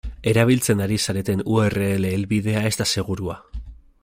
Erabiltzen ari zareten u erre ele helbidea ez da segurua.